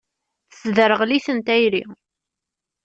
Tesderɣel-iten tayri.